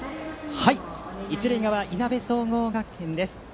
一塁側、いなべ総合学園です。